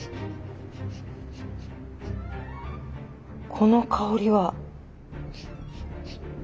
この香りは。